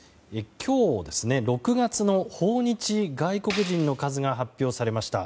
今日、６月の訪日外国人の数が発表されました。